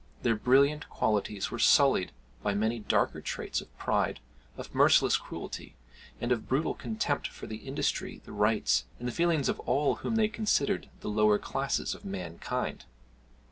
Their brilliant qualities were sullied by many darker traits of pride, of merciless cruelty, and of brutal contempt for the industry, the rights, and the feelings of all whom they considered the lower classes of mankind.